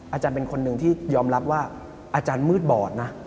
อาจารย์เป็นคนหนึ่งที่ยอมรับว่าอาจารย์มืดบอดนะ